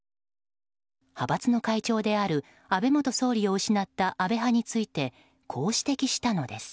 派閥の会長である安倍元総理を失った安倍派についてこう指摘したのです。